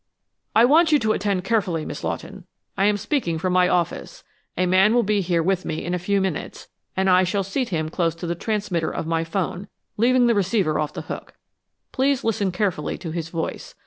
"I want you to attend carefully, Miss Lawton. I am speaking from my office. A man will be here with me in a few minutes, and I shall seat him close to the transmitter of my 'phone, leaving the receiver off the hook. Please listen carefully to his voice.